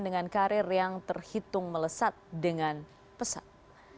dengan karir yang terhitung melesat dengan pesat